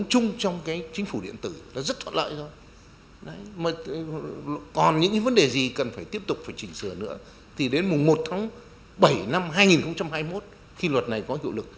còn những vấn đề gì cần phải tiếp tục phải chỉnh sửa nữa thì đến mùng một tháng bảy năm hai nghìn hai mươi một khi luật này có hiệu lực